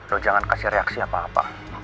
loh jangan kasih reaksi apa apa